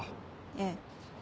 ええ。